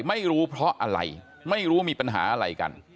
ไม่รู้เพราะอะไรไม่รู้มีปัญหาอะไรกัน